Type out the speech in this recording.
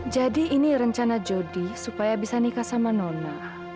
jadi ini rencana jody supaya bisa nikah sama nona